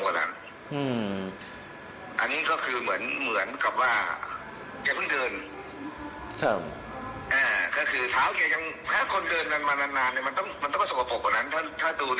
แล้วก็เสื้อผ้าแค่เหมือนเขาเพิ่งถอด